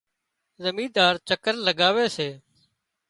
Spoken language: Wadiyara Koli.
زمينۮار چڪر لڳاوي سي